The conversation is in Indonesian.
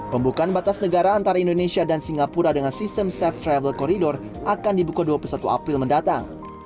pembukaan batas negara antara indonesia dan singapura dengan sistem safe travel corridor akan dibuka dua puluh satu april mendatang